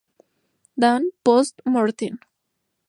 Dan, Post Morten.